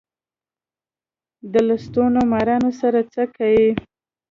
د لستوڼو مارانو سره څه کئ.